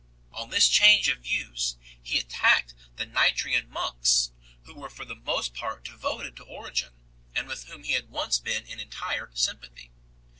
On this change of views, he attacked the Nitrian monks, who were for the most part devoted to Origen, and with whom he had once been in entire sympathy.